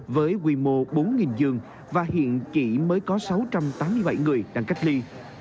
với quy mô bốn giường và hiện chỉ mới có sáu trăm tám mươi bảy người đang cách ly